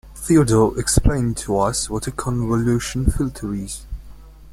Theodore explained to us what a convolution filter is.